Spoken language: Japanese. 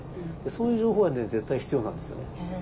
そういう情報は絶対必要なんですよね。